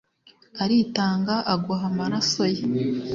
aritanga aguha amarasoye